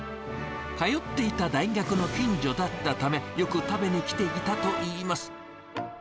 通っていた大学の近所だったため、よく食べに来ていたといいます。